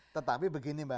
tetapi begini mbak